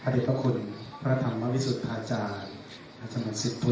อธิบายคุณพระธรรมวิสุทธาจารย์อาจารย์มันสิบทุน